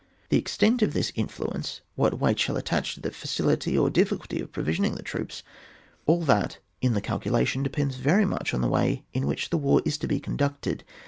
The extent of this influence, what weight shall attach to the facility or dif&culty of provisioning the troops, all that in the calculation depends vexy much on the way in which the war is to be conducted.